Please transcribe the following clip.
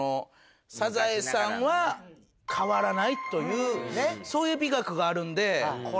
『サザエさん』は変わらないというそういう美学があるんで。